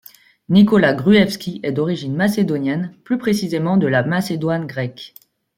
Nikola Gruevski est d'origine macédonienne, plus précisément de la Macédoine grecque.